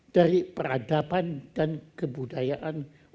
dari peradaban dan kebudayaan